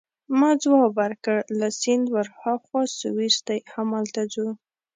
ما ځواب ورکړ: له سیند ورهاخوا سویس دی، همالته ځو.